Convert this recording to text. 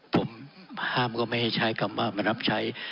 ผมห้ามก็ไม่ให้ใช้คำว่ามารับใช้